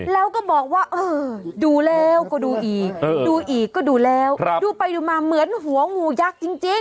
แล้วก็บอกว่าเออดูแล้วก็ดูอีกดูอีกก็ดูแล้วดูไปดูมาเหมือนหัวงูยักษ์จริง